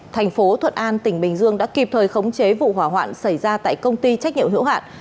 thành phố thuận an tỉnh bình dương đã kịp thời khống chế vụ hỏa hoạn xảy ra tại công ty trách nhiệm hữu hạn